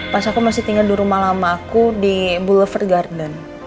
pas aku masih tinggal di rumah lama aku di boulevate garden